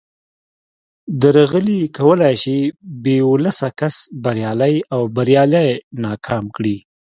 درغلي کولای شي بې ولسه کس بریالی او بریالی ناکام کړي